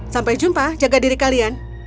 sampai jumpa jaga diri kalian